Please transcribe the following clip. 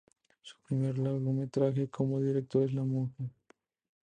Su primer largometraje como director es "La monja".